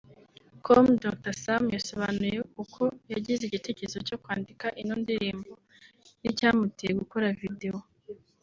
com Dr Sam yasobanuye uko yagize igitekerezo cyo kwandika ino ndirimo n’icyamuteye gukora video